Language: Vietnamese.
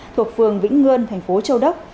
thuộc phường vĩnh ngươn thành phố châu đốc